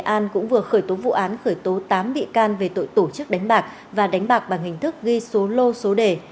nghệ an cũng vừa khởi tố vụ án khởi tố tám bị can về tội tổ chức đánh bạc và đánh bạc bằng hình thức ghi số lô số đề